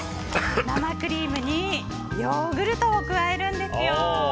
生クリームにヨーグルトを加えるんですよ。